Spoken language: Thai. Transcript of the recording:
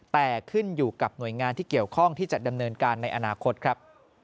แต่ขึ้นอยู่กับหน่วยงานที่เกี่ยวข้องที่จะดำเนินการในอนาคตครับ